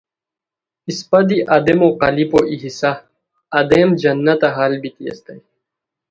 اِسپہ دی آدمو قالیپو ای حصہ آدم جنتہ ہال بیتی استائے